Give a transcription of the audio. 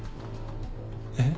えっ？